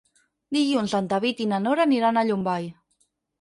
Dilluns en David i na Nora aniran a Llombai.